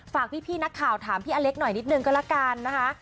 ฝากพี่นักข่าวถามพี่อเล็กหน่อยนิดนึงก็ละกันนะคะ